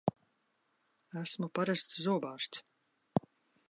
Esmu parasts zobārsts!